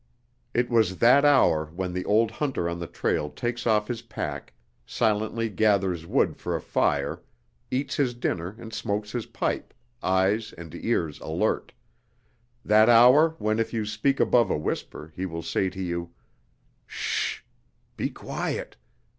It was that hour when the old hunter on the trail takes off his pack, silently gathers wood for a fire, eats his dinner and smokes his pipe, eyes and ears alert; that hour when, if you speak above a whisper, he will say to you, "Sh h h h! Be quiet!